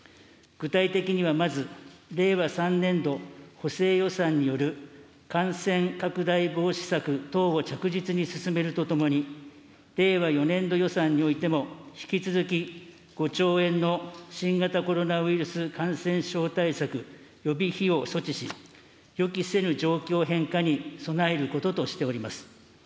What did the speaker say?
具体的には、まず令和３年度補正予算による感染拡大防止策等を着実に進めるとともに、令和４年度予算においても、引き続き５兆円の新型コロナウイルス感染症対策予備費用を措置し、予期せぬ状況変化に備えることとしております。